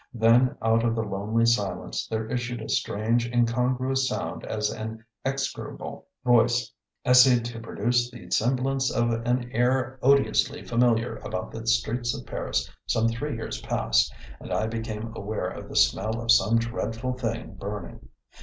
Then, out of the lonely silence, there issued a strange, incongruous sound as an execrable voice essayed to produce the semblance of an air odiously familiar about the streets of Paris some three years past, and I became aware of a smell of some dreadful thing burning.